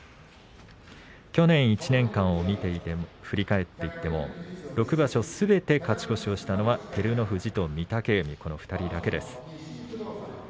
去年１年間を見ていても振り返っても６場所すべて勝ち越しをしたのは照ノ富士と御嶽海とこの２人だけです。